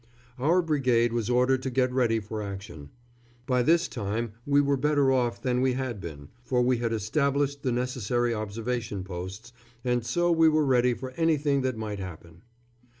Our brigade was ordered to get ready for action. By this time we were better off than we had been, for we had established the necessary observation posts, and so we were ready for anything that might happen.